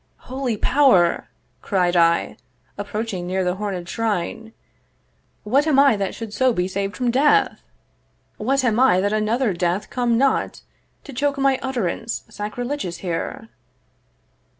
'Holy Power,' Cried I, approaching near the horned shrine, 'What am I that should so be saved from death? 'What am I that another death come not 'To choke my utterance sacrilegious here?'